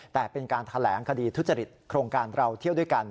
แต่เป็นการแถลงคดีทุจริตโครงการเราเที่ยวด้วยกัน